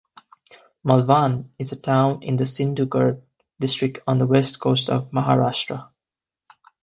Malvan is a town in the Sindhudurg district on the west coast of Maharashtra.